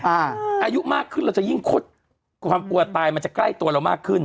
อายุมากขึ้นเราจะยิ่งคดความกลัวตายมันจะใกล้ตัวเรามากขึ้น